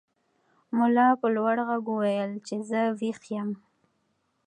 ملا په لوړ غږ وویل چې زه ویښ یم.